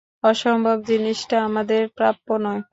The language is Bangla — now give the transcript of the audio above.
অসম্ভব জিনিসটা আমাদের প্রাপ্য নয়।